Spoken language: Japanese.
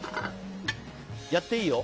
やっていいよ。